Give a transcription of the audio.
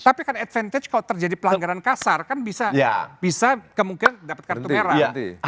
tapi kan advantage kalau terjadi pelanggaran kasar kan bisa kemungkinan dapat kartu merah